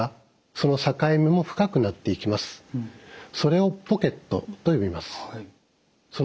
それをポケットと呼びます。